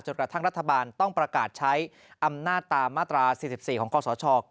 กระทั่งรัฐบาลต้องประกาศใช้อำนาจตามมาตรา๔๔ของคศช